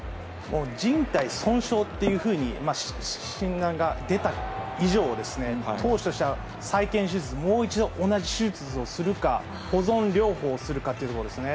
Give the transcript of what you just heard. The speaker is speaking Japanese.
じん帯損傷というふうに、診断が出た以上ですね、投手としては再建手術、もう一度同じ手術をするか、保存療法をするかというところですね。